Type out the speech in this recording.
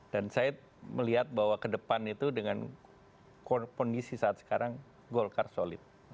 dan saya melihat bahwa kedepan itu dengan kondisi saat sekarang golkar solid